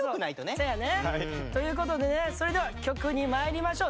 せやねということでねそれでは曲にまいりましょう。